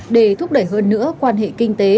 để thúc đẩy hơn nữa quan hệ kinh tế